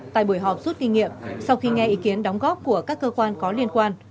tại buổi họp suốt kỷ niệm sau khi nghe ý kiến đóng góp của các cơ quan có liên quan